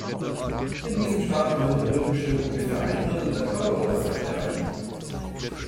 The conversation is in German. In diesem Stadium nimmt der Rückenschild ungefähr ein Drittel der Körperoberseite ein.